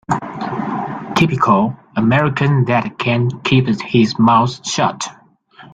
Typical American that can keep his mouth shut.